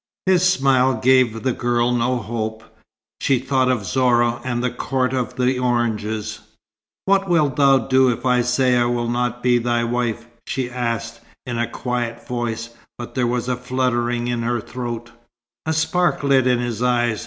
His smile gave the girl no hope. She thought of Zorah and the court of the oranges. "What wilt thou do if I say I will not be thy wife?" she asked, in a quiet voice; but there was a fluttering in her throat. A spark lit in his eyes.